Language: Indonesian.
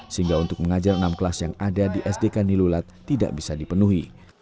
sehingga untuk mengajar enam kelas yang ada di sdk nilulat tidak bisa dipenuhi